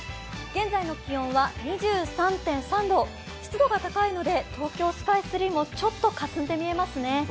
現在の気温は２３．３度湿度が高いので、東京スカイツリーもちょっとかすんで見えますね。